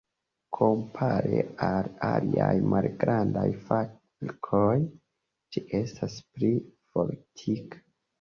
Kompare al aliaj malgrandaj falkoj, ĝi estas pli fortika.